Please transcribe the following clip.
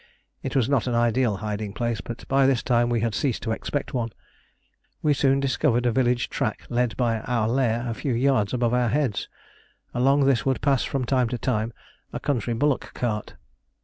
It was not an ideal hiding place, but by this time we had ceased to expect one. We soon discovered a village track led by our lair a few yards above our heads. Along this would pass from time to time a country bullock cart.